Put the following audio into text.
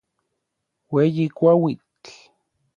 Ueyi kuauitl.